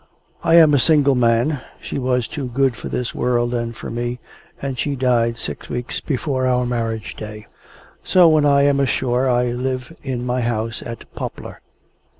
I am a single man (she was too good for this world and for me, and she died six weeks before our marriage day), so when I am ashore, I live in my house at Poplar.